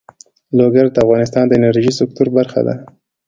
لوگر د افغانستان د انرژۍ سکتور برخه ده.